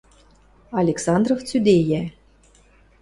– Александров цӱдейӓ.